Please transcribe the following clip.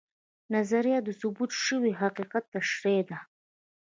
نظریه د ثبوت شوي حقیقت تشریح ده